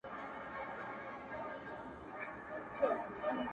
خو درد پاته کيږي-